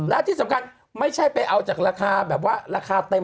และที่สำคัญไม่ใช่ไปเอาจากราคาแบบว่าราคาเต็ม